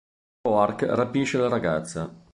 Roark rapisce la ragazza.